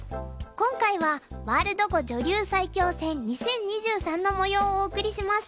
今回はワールド碁女流最強戦２０２３のもようをお送りします。